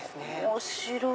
面白い！